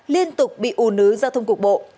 liên tục bị ô nớ giao thông cục bộ